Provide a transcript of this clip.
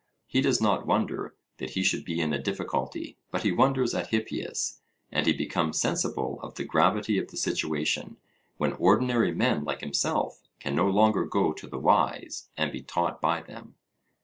He does not wonder that he should be in a difficulty, but he wonders at Hippias, and he becomes sensible of the gravity of the situation, when ordinary men like himself can no longer go to the wise and be taught by them.